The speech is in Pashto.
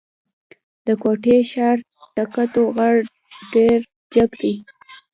د کوټي ښار تکتو غر ډېر جګ دی.